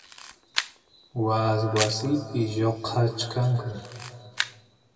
waas wasipi lloqachkanku